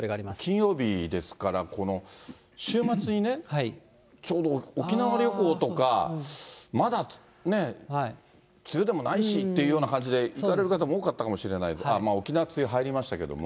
金曜日ですから、週末にね、ちょうど沖縄旅行とか、まだね、梅雨でもないしっていうような感じで行かれる方も多かったかもしれない、沖縄は梅雨入りましたけども。